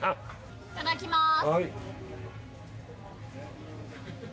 いただきます。